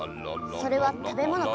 それは食べものか？